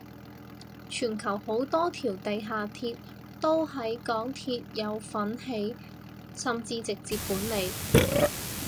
全球好多條地下鐵都係港鐵有份起甚至直接管理